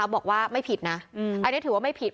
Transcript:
บอกว่าไม่ผิดนะอันนี้ถือว่าไม่ผิด